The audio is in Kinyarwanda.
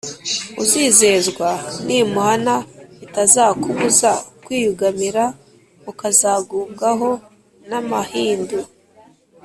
uzizezwa n’imuhana Itazakubuza kwiyugamira Ukazagubwaho n’amahindu